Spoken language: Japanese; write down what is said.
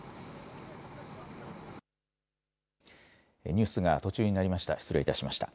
ニュースが途中になりました。